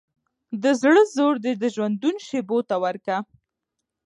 د زړه زور دي د ژوندون شېبو ته وركه